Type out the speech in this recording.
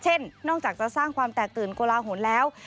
นอกจากจะสร้างความแตกตื่นโกลาหลแล้ว